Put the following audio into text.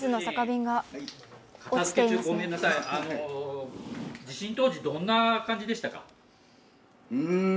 ごめんなさい、地震当時、どんな感じでしたか。